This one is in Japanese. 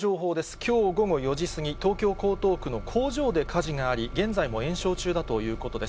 きょう午後４時過ぎ、東京・江東区の工場で火事があり、現在も延焼中だということです。